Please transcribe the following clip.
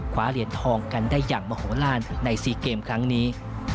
คว้าเหรียญทองกันได้อย่างมโหลานใน๔เกมครั้งนี้